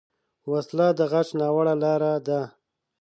وسله د غچ ناوړه لاره ده